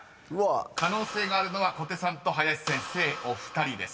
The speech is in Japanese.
［可能性があるのは小手さんと林先生お二人です］